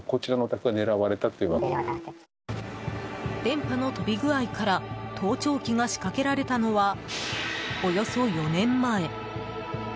電波の飛び具合から盗聴器が仕掛けられたのはおよそ４年前。